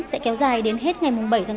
sẽ kéo dài đến hết ngày bảy tháng bốn